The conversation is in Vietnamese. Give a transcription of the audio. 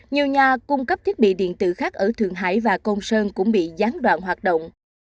nhiều nhà cung cấp thiết bị điện tử khác ở thượng hải và côn sơn cũng bị gián đoạn hoạt động